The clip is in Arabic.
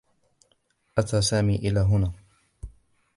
أتى سامي إلى هنا.